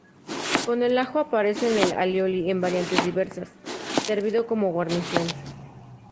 Con el ajo aparece el alioli en variantes diversas, servido como guarnición.